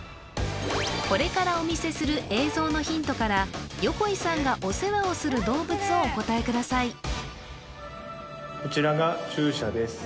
これからお見せする映像のヒントから横井さんがお世話をする動物をお答えください